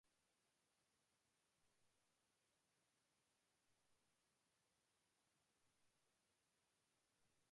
The unincorporated community of Polar is located in the town.